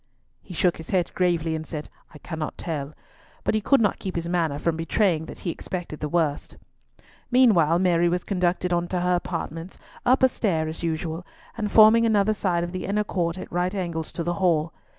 He shook his head gravely and said, "I cannot tell," but he could not keep his manner from betraying that he expected the worst. Meanwhile Mary was conducted on to her apartments, up a stair as usual, and forming another side of the inner court at right angles to the Hall.